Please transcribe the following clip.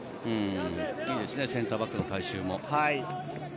いいですね、センターバックの回収も。